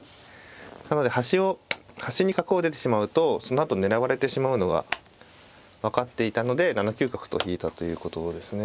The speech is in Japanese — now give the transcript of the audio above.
なので端に角を出てしまうとそのあと狙われてしまうのが分かっていたので７九角と引いたということですね。